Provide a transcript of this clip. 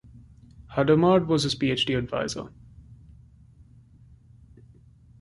Hadamard was his Ph.D. advisor.